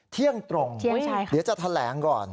เที่ยงตรงเดี๋ยวจะแถลงก่อน